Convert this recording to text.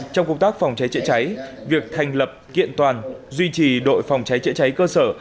trong công tác phòng cháy chữa cháy việc thành lập kiện toàn duy trì đội phòng cháy chữa cháy cơ sở